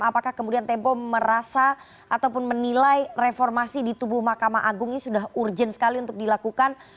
apakah kemudian tempo merasa ataupun menilai reformasi di tubuh mahkamah agung ini sudah urgent sekali untuk dilakukan